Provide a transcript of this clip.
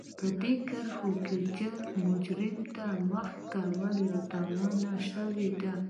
په دې کرښو کې جرم ته د مخې کولو يادونه شوې ده.